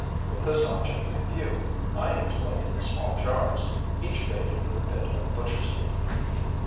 With this object in view, I employed small jars, each baited with a bit of butcher's meat.